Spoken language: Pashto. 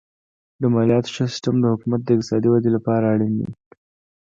د مالیاتو ښه سیستم د حکومت د اقتصادي ودې لپاره اړین دی.